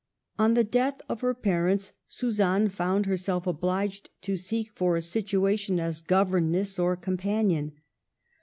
On the death of her parents, Suzanne found herself obliged to seek for a situation as gover ness, or companion.